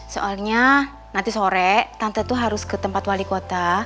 soalnya nanti sore tante itu harus ke tempat wali kota